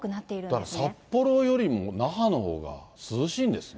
だから、札幌よりも那覇のほうが涼しいんですね。